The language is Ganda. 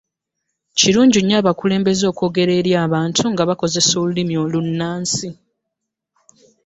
Kirungi nnyo abakulembezza okwogera eri abantu nga bakozessa olulimi olunaansi.